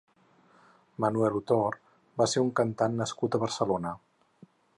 Manuel Utor va ser un cantant nascut a Barcelona.